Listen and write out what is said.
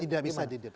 tidak bisa didit